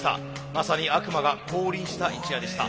まさに悪魔が降臨した一夜でした。